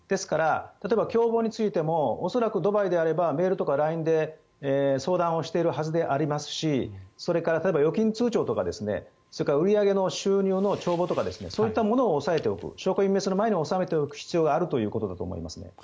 共謀についても恐らくドバイであればメールとかＬＩＮＥで相談しているはずでありますしそれから、預金通帳とかそれから売り上げの収入の帳簿とかそういったものを押さえておく証拠隠滅の前に収めておく必要があるということだと思いますね。